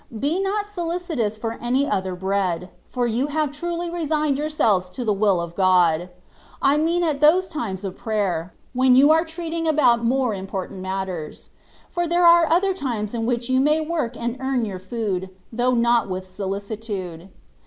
Be not soli citous for any other bread, for you have truly resigned yourselves to the will of God ; I mean at those times of prayer, when you are treating about more important matters; for there are other times in which you may work and earn your food, though not with solicitude.